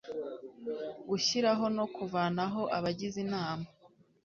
gushyiraho no kuvanaho abagize inama